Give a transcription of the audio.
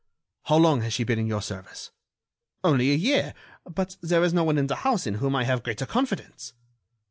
"How long has she been in your service?" "Only a year, but there is no one in the house in whom I have greater confidence."